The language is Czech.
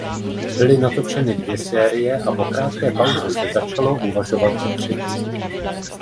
Byly natočeny dvě série a po krátké pauze se začalo uvažovat o třetí.